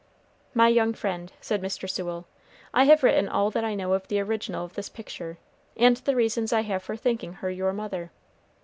"My young friend," said Mr. Sewell, "I have written all that I know of the original of this picture, and the reasons I have for thinking her your mother.